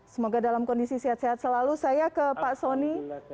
semoga dalam kondisi sehat sehat selalu saya ke pak soni